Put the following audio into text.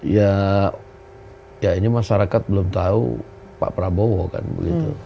ya ya ini masyarakat belum tahu pak prabowo kan begitu